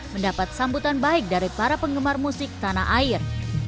mendapat sambutan baik dari para penggemar musik tanah air